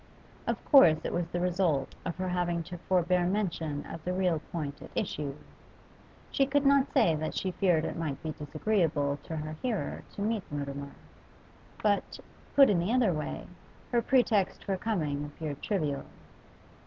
Of course it was the result of her having to forbear mention of the real point at issue; she could not say that she feared it might be disagreeable to her hearer to meet Mutimer. But, put in the other way, her pretext for coming appeared trivial.